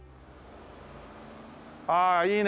ああいいね。